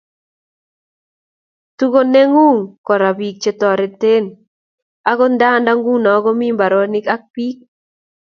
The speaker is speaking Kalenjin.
Tukonengun Kora bik chetororen agot nda nguno komi mbaronik ab bik